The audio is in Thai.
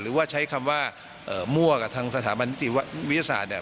หรือว่าใช้คำว่ามั่วกับทางสถาบันนิติวิทยาศาสตร์เนี่ย